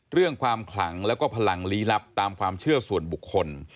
เรื่องความขลังแล้วก็พลังลี้ลับตามความเชื่อส่วนบุคคล